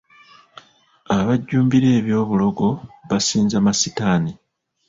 Abajjumbira eby'obulogo basinza masitaani.